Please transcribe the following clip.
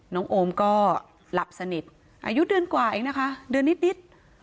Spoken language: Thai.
โอมก็หลับสนิทอายุเดือนกว่าเองนะคะเดือนนิด